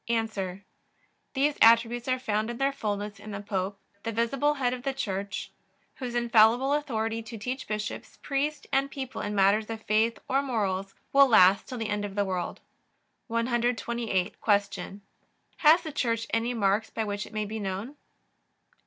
A. These attributes are found in their fullness in the Pope, the visible Head of the Church, whose infallible authority to teach bishops, priests, and people in matters of faith or morals will last till the end of the world. 128. Q. Has the Church any marks by which it may be known?